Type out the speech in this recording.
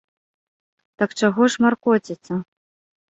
Так чаго ж маркоціцца.